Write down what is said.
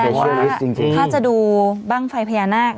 เพราะว่าถ้าจะดูบ้างไฟพญานาค